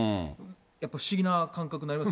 やっぱり不思議な感覚になります。